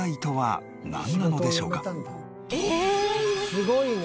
すごいね。